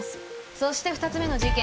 そして２つ目の事件